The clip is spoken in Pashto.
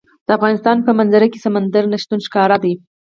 د افغانستان په منظره کې سمندر نه شتون ښکاره ده.